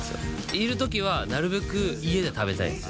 いれるときはなるべく家で食べたいんですよ